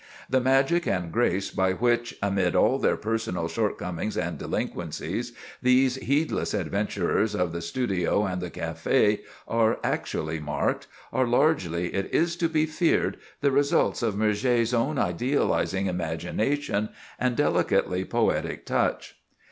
The magic and grace by which, amid all their personal shortcomings and delinquencies, these heedless adventurers of the studio and the café are actually marked, are largely, it is to be feared, the results of Murger's own idealizing imagination and delicately poetic touch.